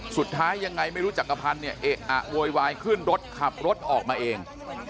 สุดท้ายยังไงไม่รู้จักรพันธ์เนี่ยเอ๊ะอะโวยวายขึ้นรถขับรถออกมาเอง